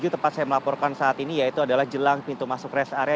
tempat saya melaporkan saat ini yaitu adalah jelang pintu masuk rest area